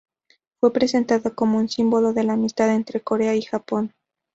Fue presentada como un "símbolo de la amistad entre Corea y Japón".